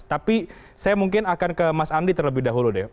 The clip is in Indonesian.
tapi saya mungkin akan ke mas andi terlebih dahulu deh